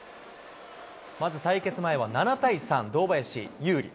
まず対決前は７対３、堂林、有利。